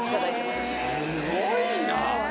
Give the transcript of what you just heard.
すごいな。